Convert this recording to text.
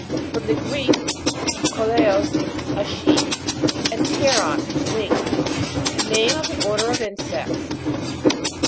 From the Greek, koleos, a sheath, and pteron, wing. Name of an order of insects.